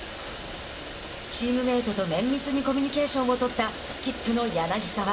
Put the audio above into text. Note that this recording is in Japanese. チームメートと綿密にコミュニケーションをとったスキップの柳澤。